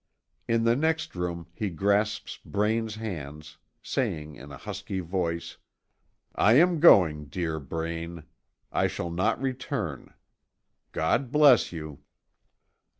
In the next room he grasps Braine's hands, saying in a husky voice: "I am going, dear Braine. I shall not return. God bless you."